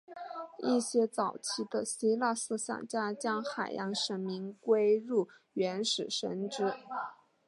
一些早期的希腊思想家将海洋神明归入原始神只。